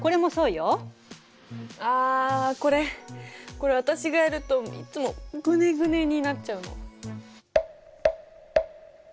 あこれこれ私がやるといっつもグネグネになっちゃうの。